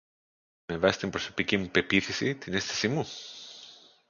Με βάση την προσωπική μου πεποίθηση, την αίσθηση μου;